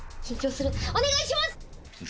お願いします！